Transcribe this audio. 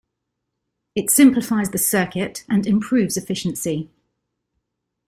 It simplifies the circuit and improves efficiency.